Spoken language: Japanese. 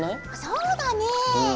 そうだね。